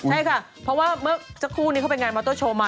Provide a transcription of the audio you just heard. ใช่ค่ะเพราะว่าเมื่อสักครู่นี้เขาไปงานมอเตอร์โชว์มา